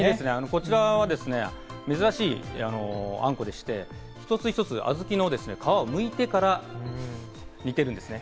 こちらは珍しいあんこでして、一つ一つあずきの皮をむいてから煮ているんですね。